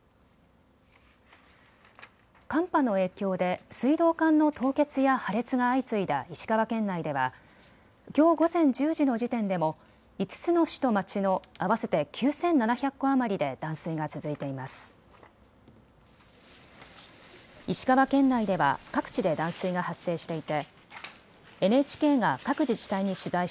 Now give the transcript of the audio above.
寒波の影響で水道管の凍結や破裂が相次いだ石川県内ではきょう午前１０時の時点でも５つの市と町の合わせて９７００戸余りで断水が続いています。